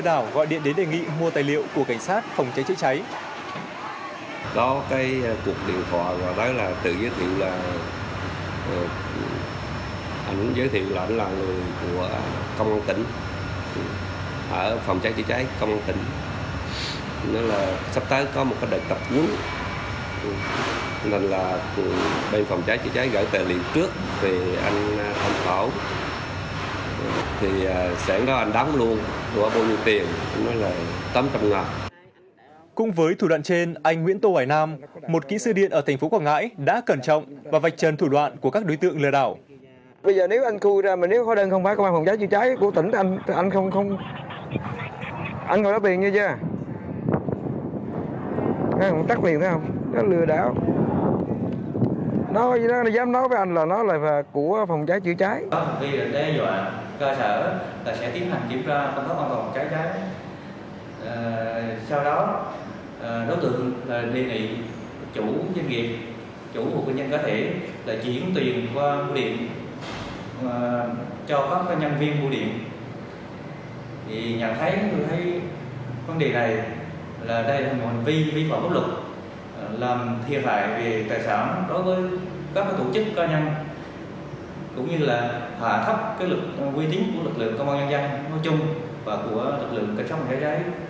đây là một hành vi vĩ vọng bất lực làm thiệt hại về tài sản đối với các tổ chức ca nhân cũng như là hạ thấp quy tính của lực lượng công an nhân dân nói chung và của lực lượng cảnh sát phòng cháy cháy nó riêng